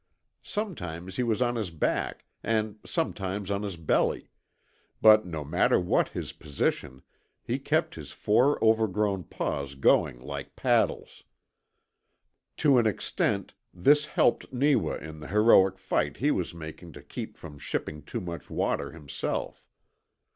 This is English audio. Sometimes he was on his back and sometimes on his belly; but no matter what his position, he kept his four overgrown paws going like paddles. To an extent this helped Neewa in the heroic fight he was making to keep from shipping too much water himself.